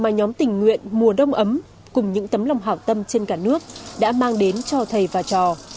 mà nhóm tình nguyện mùa đông ấm cùng những tấm lòng hảo tâm trên cả nước đã mang đến cho thầy và trò